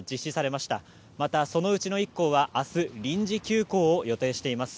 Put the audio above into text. また、そのうちの１校は明日臨時休校を予定しています。